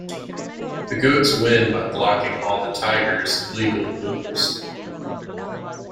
The goats win by blocking all the tigers' legal moves.